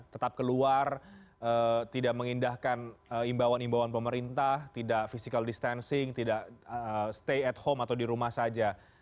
tetap keluar tidak mengindahkan imbauan imbauan pemerintah tidak physical distancing tidak stay at home atau di rumah saja